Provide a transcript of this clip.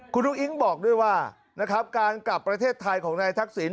คุณลุกอิงบอกด้วยว่าการกลับประเทศไทยของนายทักศิลป์